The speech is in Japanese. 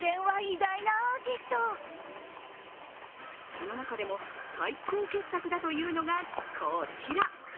その中でも最高傑作だというのがこちら。